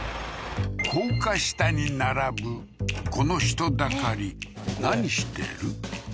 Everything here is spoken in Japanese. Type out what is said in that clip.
高架下に並ぶこの人だかり何してる？